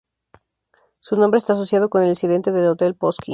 Su nombre está asociado con el incidente del Hotel Polski.